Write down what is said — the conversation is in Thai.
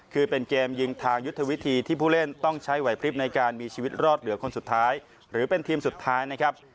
คือเป็นเกมยิงทางยุทธวิธีที่ผู้เล่นต้องใช้ไหวพลิบในการมีชีวิตรอดเหลือคนสุดท้ายหรือเป็นทีมสุดท้ายนะครับ